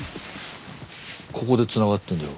ここでつながってんだよ